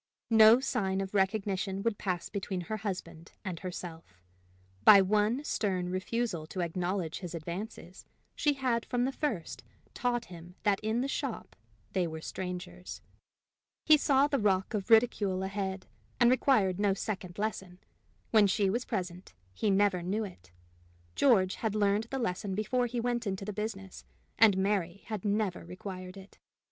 No sign of recognition would pass between her husband and herself: by one stern refusal to acknowledge his advances, she had from the first taught him that in the shop they were strangers: he saw the rock of ridicule ahead, and required no second lesson: when she was present, he never knew it. George had learned the lesson before he went into the business, and Mary had never required it.